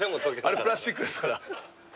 あれプラスチックですから。